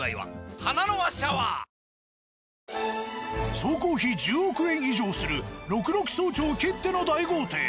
総工費１０億円以上する六麓荘町きっての大豪邸。